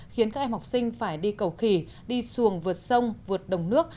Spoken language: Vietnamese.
khiến các em học sinh phải đi cầu khỉ đi xuồng vượt sông vượt đồng nước